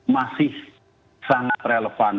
masih sangat relevan